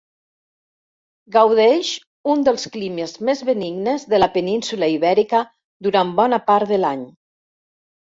Gaudeix un dels climes més benignes de la península Ibèrica durant bona part de l'any.